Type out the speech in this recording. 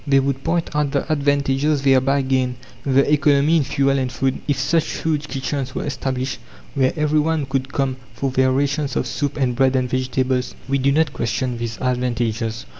They would point out the advantages thereby gained, the economy in fuel and food, if such huge kitchens were established, where every one could come for their rations of soup and bread and vegetables. We do not question these advantages.